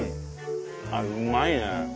あっうまいね。